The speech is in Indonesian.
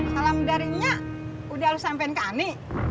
salam dari nya udah lo sampein ke ani